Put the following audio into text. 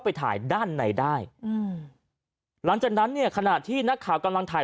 ไปถ่ายด้านในได้อืมหลังจากนั้นเนี่ยขณะที่นักข่าวกำลังถ่าย